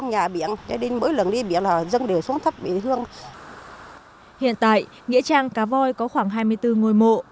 hiện tại nghĩa trang cá voi có khoảng hai mươi bốn ngôi mộ